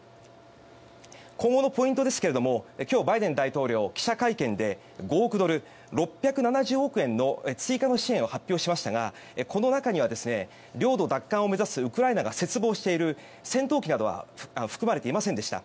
今後のポイントですが、今日バイデン大統領は記者会見で５億ドル、６７０億円の追加支援を発表しましたがこの中には、領土奪還を目指すウクライナが切望している戦闘機などは含まれていませんでした。